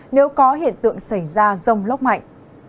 nếu có hiện tượng xảy ra rông lóc mạnh